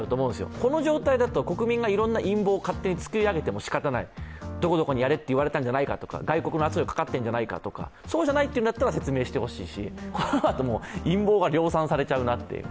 この状態だと、国民がいろんな陰謀を作り上げてもしかたないどこどこにやれって言われてるんじゃないかとか外国から圧力かかってるとかそうじゃないというんだったら説明してほしいし、あのままだと陰謀が量産されちゃうなと。